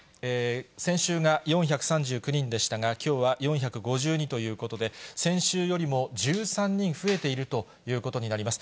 先週が４３９人でしたが、きょうは４５２ということで、先週よりも１３人増えているということになります。